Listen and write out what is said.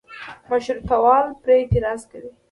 مشروطه وال پرې اعتراض کوي.